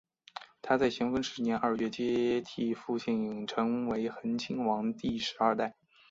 他在咸丰十年二月接替父亲成为恒亲王第十二代。